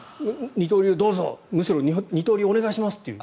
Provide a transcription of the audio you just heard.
二刀流どうぞむしろ二刀流お願いしますという。